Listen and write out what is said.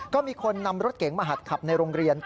ก็มีคนนำรถเก๋งมาหัดขับในโรงเรียน